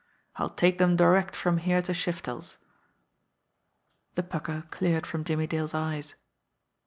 I'll take them direct from here to Shiftel's." The pucker cleared from Jimmie Dale's eyes.